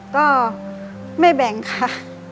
ก็ไม่แบ่งค่ะ